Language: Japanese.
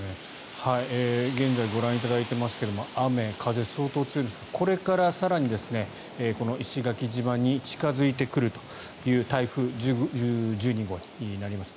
現在ご覧いただいていますけども雨、風相当強いんですがこれから更に石垣島に近付いてくるという台風１２号になります。